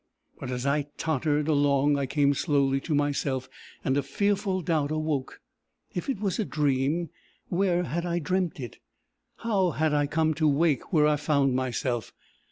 "But as I tottered along, I came slowly to myself, and a fearful doubt awoke. If it was a dream, where had I dreamt it? How had I come to wake where I found myself?